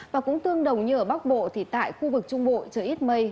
và cũng tương đồng như ở bắc bộ thì tại khu vực trung bộ trời ít mây